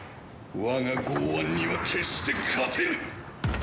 我が剛腕には決して勝てぬ！